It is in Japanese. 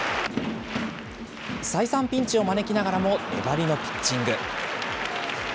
再三ピンチを招きながらも、粘りのピッチング。